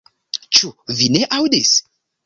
Ĉu vi ne aŭdis?